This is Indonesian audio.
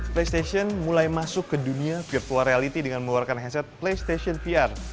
playstation mulai masuk ke dunia virtual reality dengan mengeluarkan handset playstation vr